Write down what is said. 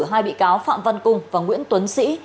hai bị cáo phạm văn cung và nguyễn tuấn sĩ